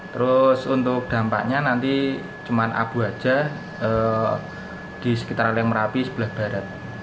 terus untuk dampaknya nanti cuma abu aja di sekitar leng merapi sebelah barat